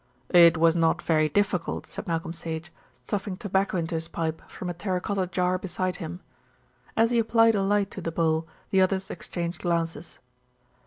"It was not very difficult," said Malcolm Sage, stuffing tobacco into his pipe from a terra cotta jar beside him. As he applied a light to the bowl the others exchanged glances.